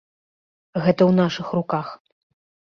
Гэта ў нашых руках.